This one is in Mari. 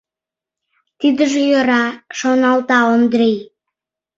«Тидыже йӧра, — шоналта Ондрий.